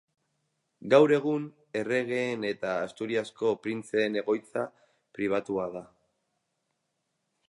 Gaur egun, erregeen eta Asturiasko Printzeen egoitza pribatua da.